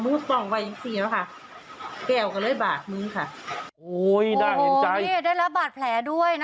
มิถิี้ย์ให้เข้าไปอย่างเดียว